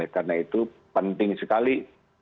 karena itu penting sekali